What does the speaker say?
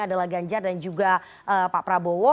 adalah ganjar dan juga pak prabowo